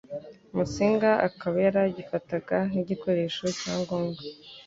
Musinga akaba yaragifataga nk'igikoresho cya ngombwa